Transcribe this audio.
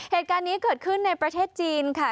เหตุการณ์นี้เกิดขึ้นในประเทศจีนค่ะ